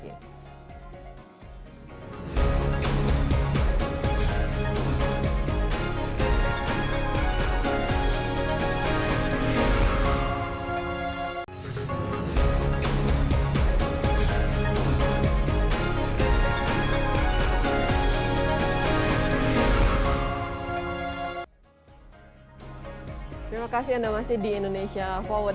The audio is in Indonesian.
terima kasih anda masih di indonesia forward